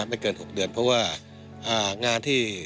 ไม่เกิน๖เดือนเพราะว่างานที่